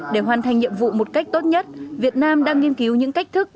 để hoàn thành nhiệm vụ một cách tốt nhất việt nam đang nghiên cứu những cách thức